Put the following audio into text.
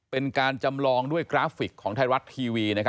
เป็นการจำลองด้วยกราฟิกของไทยรัฐทีวี